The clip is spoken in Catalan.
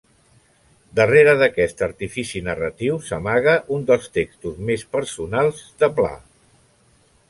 Darrere d'aquest artifici narratiu s'amaga un dels textos més personals de Pla.